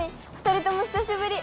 ２人ともひさしぶり！